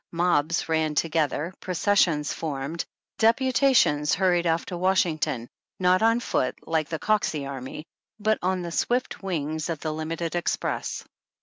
Mobs ran together, processions formed, deputations hurried off to Washington, not on foot like the Coxey Army, but on the swift wings of the Limited Express.